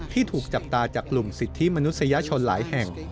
ถูกจับตาจากกลุ่มสิทธิมนุษยชนหลายแห่ง